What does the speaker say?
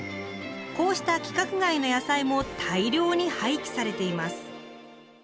こうした規格外の野菜も大量に廃棄されています。